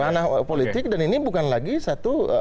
ranah politik dan ini bukan lagi satu